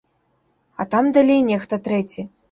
А там далей нехта трэці.